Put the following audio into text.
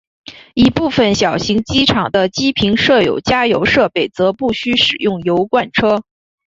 一部份小型机场的机坪设有加油设备则不需使用油罐车。